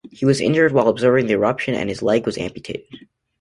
He was injured while observing the eruption and his leg was amputated.